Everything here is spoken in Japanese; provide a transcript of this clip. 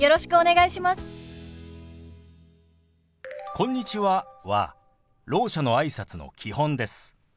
「こんにちは」はろう者のあいさつの基本です。